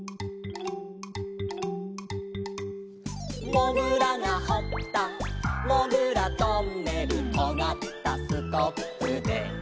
「もぐらがほったもぐらトンネル」「とがったスコップで」